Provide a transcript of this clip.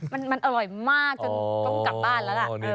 มันอร่อยมากจนต้องกลับบ้านแล้วล่ะ